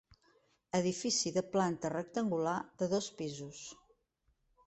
Edifici de planta rectangular de dos pisos.